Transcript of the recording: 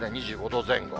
２５度前後。